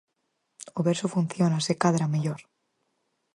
O verso funciona, se cadra, mellor.